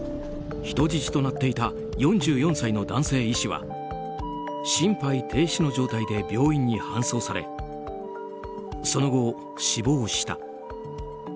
人質となっていた４４歳の男性医師は心肺停止の状態で病院に搬送され、その後死亡した。